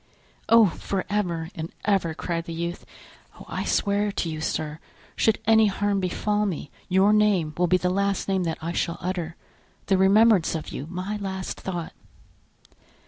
"Oh! for ever and ever!" cried the youth; "oh! I swear to you, sir, should any harm befall me, your name will be the last name that I shall utter, the remembrance of you my last thought."